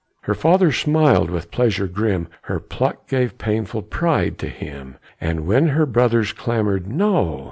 Her father smiled with pleasure grim Her pluck gave painful pride to him; And while her brothers clamored "No!"